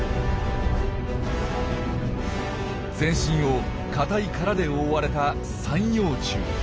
全身を硬い殻で覆われた三葉虫。